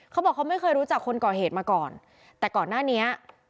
เขาบอกเขาไม่เคยรู้จักคนก่อเหตุมาก่อนแต่ก่อนหน้านี้